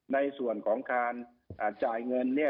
ในส่วนของการจ่ายเงิน